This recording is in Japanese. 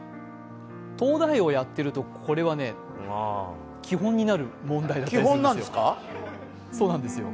「東大王」やってると、これは基本になる問題だったりするんですよ。